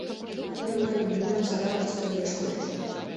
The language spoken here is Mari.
Ынде мыйын лӱмем садак историеш кодеш.